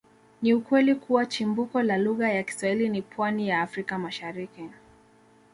Ni ukweli kuwa chimbuko la lugha ya Kiswahili ni pwani ya Afrika Mashariki